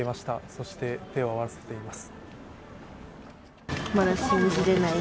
そして手を合わせています。